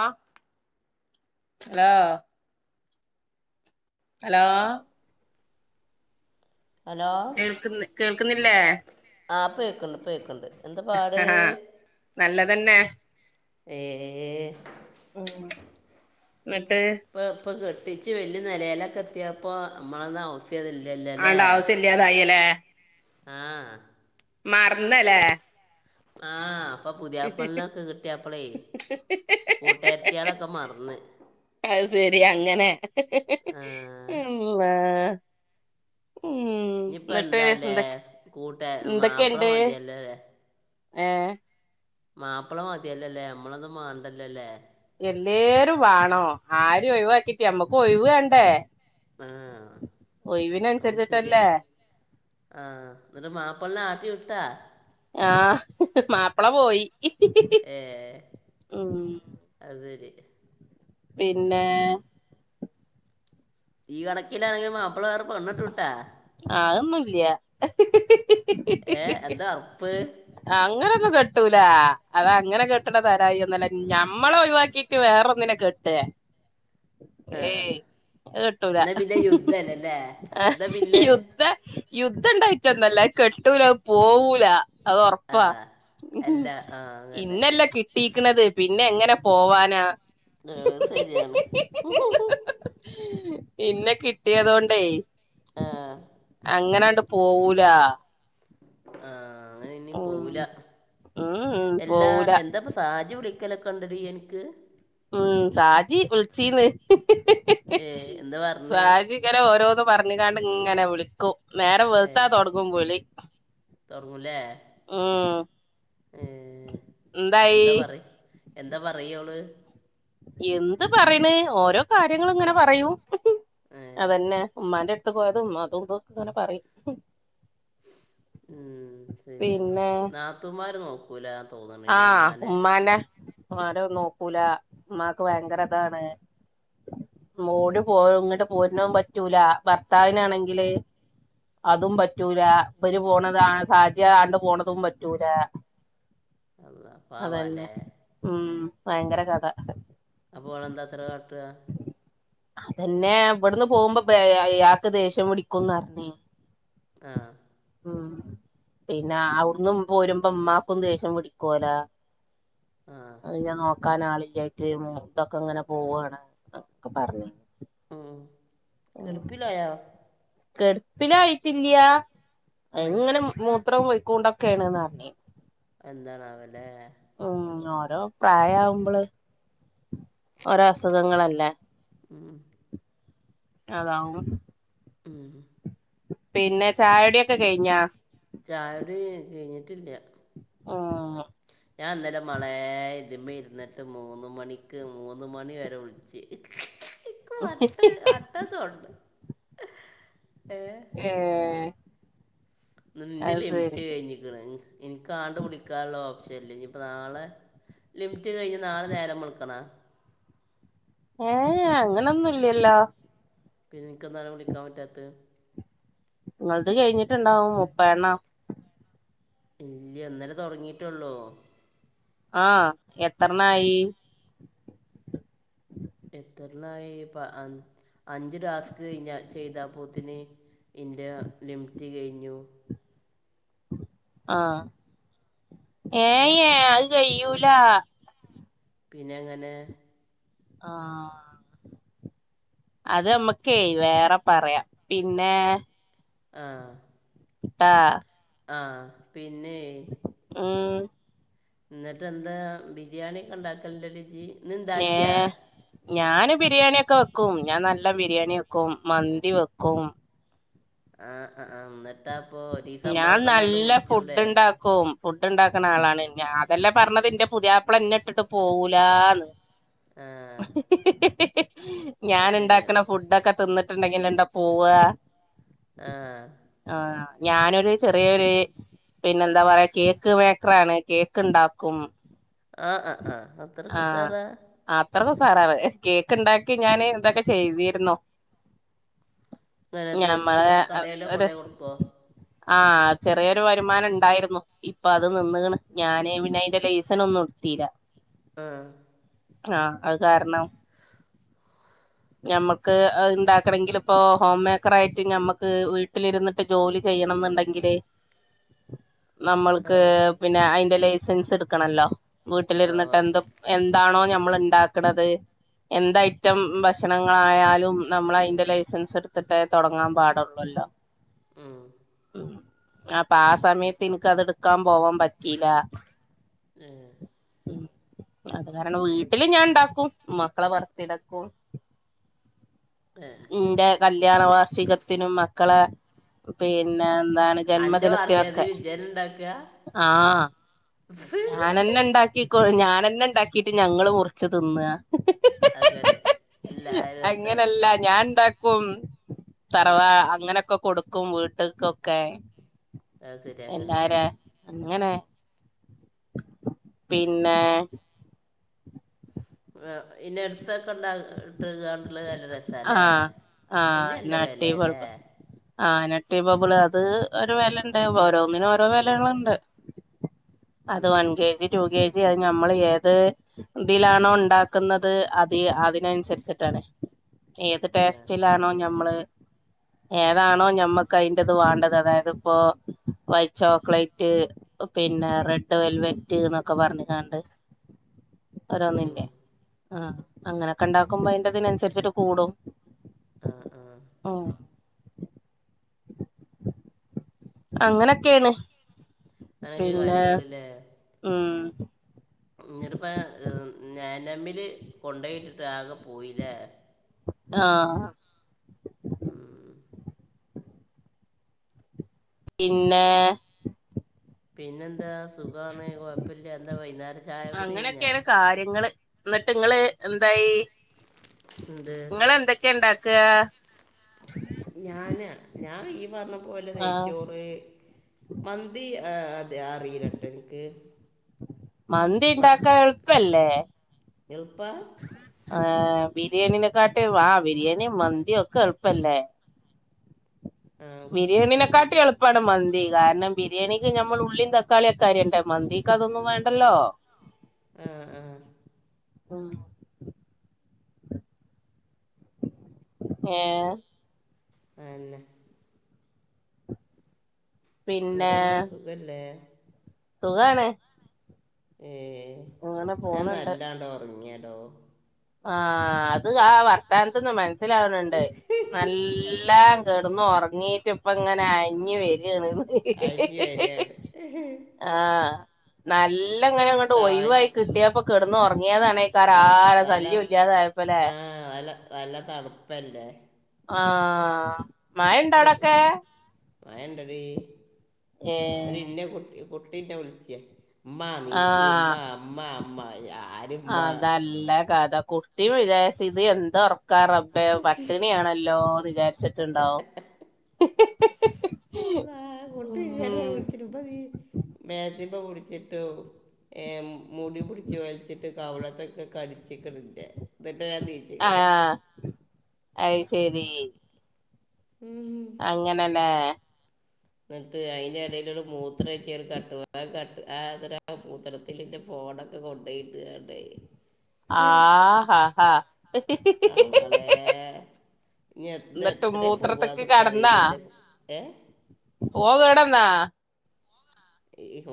ആ hello hello കേൾക്കുന്നില്ല ഹ ഇപ്പോ കേൾക്കുന്നുണ്ട് എന്തൊക്കെ പാട് നല്ലതു തന്നെ ഹേ ഓ- ഇപ്പോ കെട്ടിച്ച്, വല്യ നെലയിലൊക്കെ എത്തിയപ്പോ നമ്മള- വേണ്ട ആവിശ്യം ഇല്ലാതെ ആയില്ലേ ആഹ് മറന്നല്ലേ? ആഹ് അപ്പൊ പുതിയാപ്പള്ളിനൊക്കെ കിട്ടിയപ്പോൾ കൂട്ടുകാരികളെ ഒക്കെ മറന്ന്. അ ശെരി അങ്ങനെ ആ മ് ഇനിയിപ്പോ എ ന്താല്ലേ കൂട്ടുകാരികളെ വേണ്ട മാപ്പിളയെ എന്തൊക്കെണ്ട് മതിയല്ലോ ലെ ഏ മാപ്പിള യെ മതിയല്ലോ നമ്മളൊന്നും വേണ്ടല്ലലോ എല്ലാവരെയും വേണം ആരും ഒഴിവാക്കിട്ടി നമ്മക്ക് ഒഴിവു വേണ്ടേ ആഹ് ശരിയാ ഒഴിവിനനുസരിച്ചിട്ടല്ലേ ആഹ എന്നിട്ട് മാപ്പിളയെ ആട്ടി വിട്ടാ. ആഹ് മാപ്പിള പോയി ഏ മ് അത് ശരി പിന്നെ ഈ കണക്കിലാണെങ്കിലിൽ മാപ്പിള വേറെ പെണ്ണ് കെട്ടുംട്ടോ അതൊന്നുല്ല ഏ എന്താ ഉറപ്പ് അങ്ങനൊന്നും കെട്ടൂല്ല കിട്ടൂല അതങ്ങനെ കെട്ടുന്ന തരായി ഒന്നുമല്ല ഞമ്മളെ ഒഴിവാക്കിട്ട് വേറെൊന്നിനെ കേട്ടെ? ആ ഏയ് അത് കെട്ടൂല എന്നാ പിന്നെ യുദ്ധമല്ലേ ആ. എന്നാ പിന്നെ യുദ്ധം ഉണ്ടായിട്ടന്നല്ല കെട്ടൂല പോവൂല. അത് ആ ഉറപ്പാ അല്ല ആ അങ്ങനെ എന്നെ അല്ലേ കിട്ടി. ക്ക് ണത് പിന്നെ ങ്ങനെ പോവാനാ? ഏ ശരിയാണ്. പിന്നെ കിട്ടിയതോണ്ടേ ആ അങ്ങനണ്ട് പോവൂല. ആഹ് അങ്ങനെ യൊന്നും ഉം പോവില്ല ഉം ഉം അല്ല പോവൂല എന്താപ്പോ സാജി വിളി - വിളിക്കൽ ഒക്കെ ഉണ്ടോ നിനക്ക് ഉം ഷാജി വിളിച്ചീന്ന്. ഏ എന്താ പറഞ്ഞേ? ന്ന് പറഞ്ഞ കണ്ട് ഇങ്ങനെ വിളിക്കും നേരെ ഏ വെളുത്ത തൊടങ്ങും വിളി. തുടങ്ങൂലേ ഉം ഏ എന്തായി എന്താ പാറിയ എന്താ പറയോള്? എന്ത് പറയണ് ഓരോ കാര്യങ്ങളും ഇങ്ങനെ പറയും. ഏ അതന്നെ ഉമ്മാന്റെ അടുത്ത് പോയത് ഉമ്മാതുംതക്കെങ്ങനെ പറയും. മ്മ് ശരിയാണ് പിന്നെ നാത്തൂന് മാര് നോക്കൂല. തോന്നണില്ലേ ആഹ് ഉമ്മാനെ ഉമ്മാന. ആരും നോക്കൂല ഉമാക്ക് ഭയങ്കര താണ്. മോടി പോ ഇങ്ങോട്ട് പോരുന്നോൻ പറ്റൂല ഭർത്താവിനാണെങ്കില്- അതും പറ്റൂല ഇര് പോണത സാഹച്യ കണ്ട് പോണതും പറ്റൂല. അതാ അതന്നെ പാവാല്ലേ ഉം ഭയങ്കര കഥ- അപ്പോൾ അവൾ എന്താത്ര കാട്ടുക? അതന്നെ ഇവിടുന്ന് പോകുമ്പോയാക്ക് ദേഷ്യം പിടിക്കുംന്ന്റിഞ്ഞേ. ആഹ് മ് പിന്നെ അവിടന്ന് പോരുമ്പോ ഉമ്മാക്കും ദേഷ്യം പിടിക്കൂല്ല. ആ അത് ഞാന. കനാലിലായിട്ട് മു തൊക്കെ ഇങ്ങനെ പോവുവയാണ്ക്ക പറഞ്ഞത്. കിടപ്പിലായ? കെടുപ്പിനായിട്ടില്ലയ ആ എങ്ങനെ മു,? ത്ര പോയ്ക്കൊണ്ടൊക്കെയ ആണ് ന്ന് പറഞ്ഞു. എന്താണാവലെ? മ് ഓരോ പ്രായ വുമ്പോള് ഓരോ അസുഖങ്ങളല്ലേ? മ് അത [inaudible] പിന്നെ ചായകുടിയൊക്കെ കഴിഞ്ഞാ ചായോടി കഴിഞ്ഞിട്ടില്ല ആഹ ഞാൻ ഇന്നലെ മേളെ ഇതി്മ്മ ഇരുന്നിട്ട് മൂന്ന് മണിക്ക് മൂന്ന് മണി വരെ വിളിച്ച് എനിക്ക് വാട്ട വാട്ടതു ഉണ്ട് ഏ നിന്റെ ലിമിറ്റ് കഴിഞ്ഞി എനിക്കാണ്ട് വിളിക്കാനുള്ള ഓപ്ഷ ഇനിയിപ്പ നാളെ ലിമിറ്റ് കഴിഞ്ഞ നാളെ നേരം വെളുക്കാണം ഏ അങ്ങനൊന്നും ഇല്ലല്ലോ പിന്നെ എനിക്ക എന്താലും വിളിക്കാൻ പറ്റാത്ത നിങ്ങത് കഴിഞ്ഞിട്ടുണ്ടാവും മുപ്പ എണ്ണ ഇല്ലയ ഇന്നാല തുടങ്ങീട്ടള്ളൂ ആഹ എത്രണ്ണായി എത്രല്ലായിപ്പ അഞ്ച് ടാസ്ക് കഴിഞ്ഞ ചെയ്തപോത്തിന് ഇന്റെ ലിമിറ്റ് കഴിഞ്ഞു ആഹ ഏ അത് കഴൂല പിന്നെങ്ങനെ? ആഹ അത് നമ്മക്കേ വേറെ പറയാം പിന്നെ ആഹ ആ ആ പിന്നെ ഉം എന്നിട്ട് എന്താ ബിരിയാണിയ ഒക്കെ ഉണ്ടാക്കല ലിജി ഇ എന്താക്കിയാ ഏഹ് ഞാന് ബിരിയാണിയക്കെ വെക്കും ഞാൻ നല്ല ബിരിയാണി വെക്കും മന്തി വെക്കും ആഹ എന്നിട്ടാ അപ്പൊ ഒരേസം നമല്ലൊക്കെന്ന് വിളിച്ചൂടെ ഫുഡ്ഡ്ണ്ടാക്ക്‌ണ ആളാണ് ഞാ അതെല്ല പറഞ്ഞത് ന്റെ പുതിയാപ്പള ഇന്നെഇട്ടിട്ട് പോവൂലാന്ന് ആ അത് ഞാന് ഇണ്ടാക്കണ ശരിയാണ് ഫുഡ്ഡ്ഒക്കെ തിന്നിട്ട്ണ്ടെങ്കില്ണ്ട പോവ ആ ഞാനൊരു ചെറിയൊര് പിന്നെഎന്താപറയാ കേക്ക് മേക്കറാണ് കേക്ക്ണ്ടാക്കും ആ ആ ആ അത്രകുസാറാ സാറാവ് കേക്ക്ണ്ടാക്കി ഞാന് എന്തൊക്കെ ചെയ്തിര്ന്നോ അങ്ങനെത് ബിസിനെ കടേലൊ കൊണ്ടയൊട്ക്കൊ ആ ചെറിയൊരു വരുമാനണ്ടായിരുന്നു ഇപ്പൊ അത് നിന്നക്ക്ണ് ഞാന് പിന്നെഅയ്ന്റെ ലൈസന് ഒന്നു കൊട്ത്തീലാ ആ ആ അത് കാരണം ഞമ്മക്ക് അഹ് ഇണ്ടാക്കണങ്കിലിപ്പോ ഹോംമേക്കർ ആയിട്ട് ഞമ്മക്ക് വീട്ടിലിരുന്നിട്ട് ജോലി ചെ ചെയ്യണംന്നുണ്ടെങ്കില് ആ നമ്മൾക്ക് പിന്നെ അയിന്റെ ലൈസൻസ് ഇട്ക്കണല്ലോ ആ വീട്ടിലിരുന്നിട്ട് വേണം എന്ത് എന്താണോ നമ്മള്ണ്ടാക്കണത് എന്തഐറ്റം ഭക് ക്ഷണങ്ങളായാലും നമ്മളയിന്റെ ലൈസൻസ് എട്ത്തിട്ടേ തൊടങ്ങാൻപാടൊള്ളൊല്ലോ മ് അപ്പൊ ആ സമയത്ത് ഇൻക്കത്ട്ക്കാപോവാ പറ്റീല ഏ അത് കാരണം വീട്ടില് ഞാൻണ്ടാക്കും മക്കളെ ബർത്തിടക്കും ഏ. ന്റെ കല്യാണവാർഷികത്തിനും മക്കളെ പിന്നെ എന്താണ് അന്റെ വാർച്ചയിൽ ജന്മദിനത്തൊക്കെ രുചന ഉണ്ടാക്കുക ആ ഞാനന്നെണ്ടാക്കിക്കൊ ഞാനെന്നെണ്ടാക്കീട്ട് ഞങ്ങള് മുറിച്ച് തിന്ന അങ്ങനെ എല്ലാ രസാണ് ക്കും തറവാ അങ്ങനെക്കെ കൊടുക്കും വീട്ട്ക്കൊക്കെ അത് ശരി അങ്ങനെ എല്ലാരെ അങ്ങനെ പിന്നേ ഇ ന്നെട്സൊക്കെ ണ്ട ഇട്ട്ക്കാണ്ട ന്ന് നല്ല രസാല്ലേ ആഹ് ഇന് നല്ലവെലല്ലേ ആ നട്ടി ബബിള് അത് ഒരു വെലണ്ട് ഓരോന്നിനും ഓരോ വിലള്ണ്ട് അത് ഉം. വൺകേജി റ്റുകെ ജി അഹ് നമ്മള് ഏത് ഇതിലാണോണ്ടാക്കുന്നത് അത് അതിനൻസരിച്ചിട്ടാണ് ഏത് ഏ ടേസ്റ്റിലാണോ ഞമ്മള് ഏതാണോ ഞമ്മക്ക് അയിന്റെത് വാണ്ടത് അതായത് ഇപ്പോ വൈറ്റ്ചോക്ലേറ്റ് പിന്നെ റെഡ് വെൽവെറ്റ് ന്നൊക്കെപർഞ്കാണ്ട് ഉം ഓരൊന്നില്ലേ ആ അങ്ങനൊക്കെണ്ടാക്കുമ്പോ അയ്ന്റെതിനൻസരിച്ചിട്ട് കൂടും ആ അങ്ങനൊക്കെണ് അങ്ങനൊക്കെ പിന്നെ ഉം ഇഞട്പ്പ നെയനമ്മില് കൊണ്ടോയിട്ടിട്ട് ആകെപോയില്ലേ ആഹാ ഉം പിന്നെ പിന്നെന്താ സുഖാണ് കൊഴപ്പില്ല എന്താ വൈന്നേര ചായകുടി കയിഞ്ഞോ ന്നിട്ട്ങ്ങള് എന്തായി എന്ത് ഇങ്ങെന്തെക്കെണ്ടാക്ക ഞ ഈ പർഞ്ഞ പോലെ നെയ്ച്ചോറ് മന്തി അറീലട്ടോഇൻക് മന്തിണ്ടാക്കാൻ എൾപ്പല്ലേ എളുപ്പ ഏ ബിരിയാണിനനെക്കൊട്ടെ വാ ബിരിയാണിയും മന്തി ഒക്കെ എളുപ്പല്ലേ ആ ഉം ബിരിയാണിനനെക്കെട്ടി എളുപ്പമാണ് മന്തി കാരണം ബിരിയാണിക്ക് നഞമ്മൾ ഉള്ളീ തക്കാളിയൊക്കെ [unintelligible] മന്തിക്ക് അതൊന്നും വേണ്ടല്ലോ ആഹ ആഹ ഉം [unintelligible] അന്നെ പിന്നെ നിരന്തരം സുഖല്ലേ സുഖാണ് ഏ അങ്ങനെ ഞാൻ പോണുണ്ട് നല്ലാണ്ടോ ഉറങ്ങിയടോ ആഹ അത് ആ വർത്താനത്തന്നന്ന് മനസ്സിലാവണണ്ട് നല്ലാം [inaudible] ഇന്ന് ഉറങ്ങീട്ട് ഇപ്പം അങ്ങനെ [unintelligible] വരണന്ന് അഞ്ച് വരെയാണ് ആഹ നല്ല ഇങ്ങനെ അങ്ങോട്ട് താഴ് ഒഴവായി കിട്ടിയപ്പ കിടന്ന് ഉറങ്ങിയതാണ തല [unintelligible] ഇല്ലാതായപ്പോല്ലെ ആ [inaudible] നല്ല നല്ല തണുപ്പല്ലേ ആഹ മ ഇണ്ടടൊക്കെ വയണ്ടടി [unintelligible] ഏ ഇന്ന കുട്ടി കുട്ടീന്റെ വിളിച്ച മാമീച് ആഹ് മാ മാ മായ അതല്ല കഥ കുട്ടി വിചാരിച് [inaudible] ക്കാ റബ്ബയ പട്ടിണിയ ആണല്ലോ വിചാരിച്ചിട്ടുണ്ടാവും [unintelligible] ഉം മുടിപൊടിിച്ചു വെച്ചിട്ട് കവളത്തൊക്കെ കടിച്ച [inaudible] ആഹ് അത് ശരി ഉം. അങ്ങനെല്ലേ എന്നിട്ട് അതിന്റെടൽ ഒരു മൂത്രം ചേറി കട്ടു ക ആതൊരാ മൂത്രത്തില് ന്റെ ഫോ കോടൊക്കെ കൊണ്ടോയിട്ട്അണ്ടേ ആഹഹാ ഹാ ഞ് എദ് എത്രേ പോവ്വാന്ന് കറിയലണ്ട് [unintelligible] ഏ പോകേടന്നാ?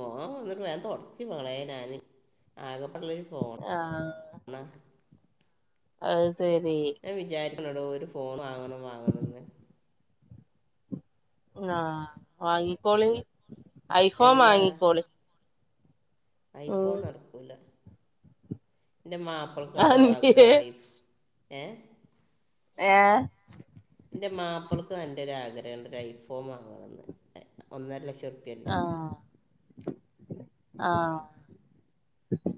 ഓ ഒന്നിട്ട് വേൻ തുടച് മളേ ഞാൻ ആകെപ് ളെരൂ ഫോ ആഹ് ണാ അത് ശരി ടോ ഒരു ഫോൺ വാങ്ങണം വാങ്ങണന്ന്. ആഹ വാങ്ങിക്കോളി ഐഫോം എല്ലാ വാങ്ങിക്കോളി. ഐഫോൺ ഉം നട്ക്കൂല ൻ്റെ മാപ്പിൾക്കാടോ ആഗ്രഹ അതെന്തിയേ ഐഫ് ഏഹ ഏ ൻ്റെ മാപ്പിൾക്ക് നല്ലൊരു ആഗ്രഹണ്ട് ഒരു ഐഫോൺ വാങ്ങണന്ന് ഒന്നര ലക്ഷ [unintelligible] ആ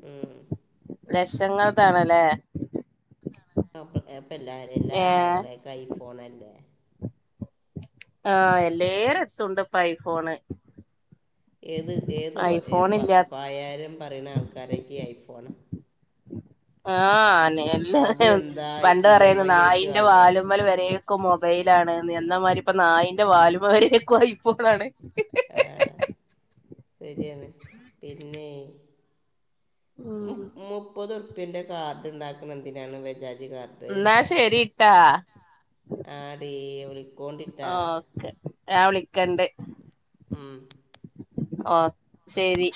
ഉം ലക്ഷങ്ങതണല്ലേ? അപ്പ എല്ലാ എല്ലാ ഏഹ് ആണുങ്ങളെക്കും [unintelligible] ഐഫോൺല്ലേ? ആഹ എല്ലേരെടുത്തുണ്ട് ഇപ്പൊ ഐഫോണ്. ഏത് ഏത് പ ഐഫോൺ പാ ഇല്ലാ പായാരം പറയുന്ന ആൾക്കാരേക്ക ഐഫോൺ ആന്ന് അതും എല്ലരെന്ന് എന്താ വണ്ട് ഇ എം പറയുന്നു ഐ ആയിട്ട് നായിന്റെ വാങ്ങുക വാല്മൽ വരേ ക്ക് മൊബൈലാണ് എന്നമാതിരി ഇപ്പ നായിന്റെ വാലുമവരേക്കും ഐഫോ ണാണ് ആഹ ശെരിയാണ് പിന്നെ മൂ ഉം മുപ്പത് ഉർപ്പ്യന്റെ കാർഡ്ണ്ടാക്കുന്ന എന്തിനാണ് വെജാ എന്നാ ശെരിട്ടൊ ആടി ഒളികോണ്ടിട്ടാ ഓക്കെ ഞാൻ വിളിക്കണ്ട്. മ് ഓ ശെരി